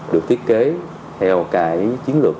được thiết kế theo chiến lược